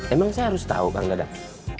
emang saya harus tahu kang dadang